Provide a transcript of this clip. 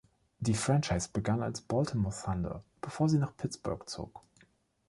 Die Franchise begann als Baltimore Thunder, bevor sie nach Pittsburgh zog.